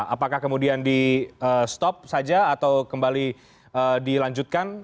apakah kemudian di stop saja atau kembali dilanjutkan